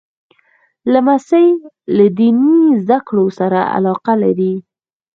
لمسی له دیني زده کړو سره علاقه لري.